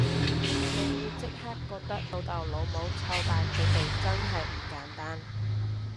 你會即刻覺得老豆老母湊大佢哋真係唔簡單